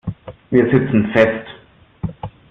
Wir sitzen fest.